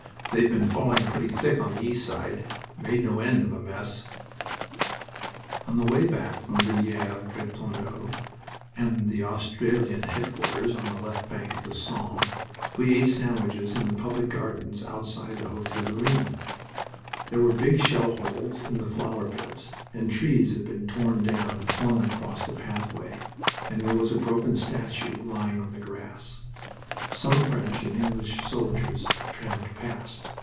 They've been falling pretty thick on the east side. Made no end of a mess!" On the way back from Villers Bretonneux and the Australian headquarters, on the left bank of the Somme, we ate sandwiches in the public gardens outside the Hotel du Rhin. There were big shell holes in the flower beds, and trees had been torn down and flung across the pathway, and there was a broken statue lying on the grass. Some French and English soldiers tramped past.